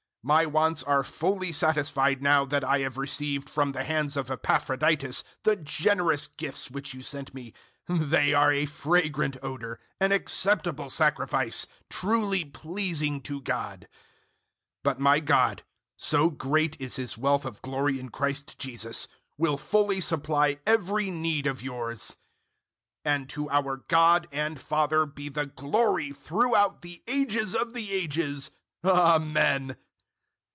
My wants are fully satisfied now that I have received from the hands of Epaphroditus the generous gifts which you sent me they are a fragrant odor, an acceptable sacrifice, truly pleasing to God. 004:019 But my God so great is His wealth of glory in Christ Jesus will fully supply every need of yours. 004:020 And to our God and Father be the glory throughout the Ages of the Ages! Amen.